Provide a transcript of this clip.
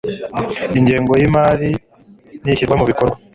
ingengo y imari n ishyirwa mu bikorwa